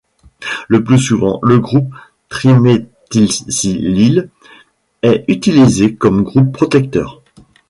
Le plus souvent, le groupe triméthylsilyle est utilisé comme groupe protecteur.